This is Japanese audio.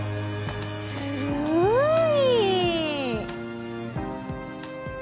ずるい。